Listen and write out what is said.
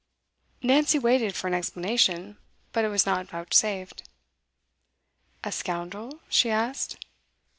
Nancy waited for an explanation, but it was not vouchsafed. 'A scoundrel?' she asked.